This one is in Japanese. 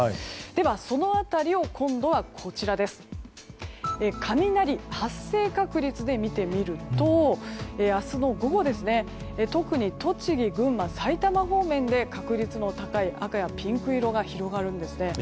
では、その辺りを今度はこちらの雷発生確率で見てみると、明日の午後特に栃木、群馬、埼玉方面で確率の高い赤やピンク色が広がるんですね。